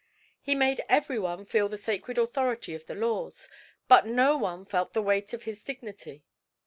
He made everyone feel the sacred authority of the laws, but no one felt the weight of his dignity.